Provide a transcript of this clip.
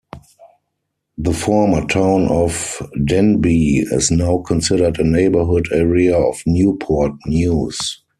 The former town of Denbigh is now considered a neighborhood area of Newport News.